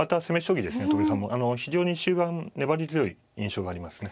非常に終盤粘り強い印象がありますね。